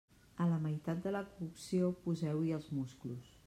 A la meitat de la cocció poseu-hi els musclos.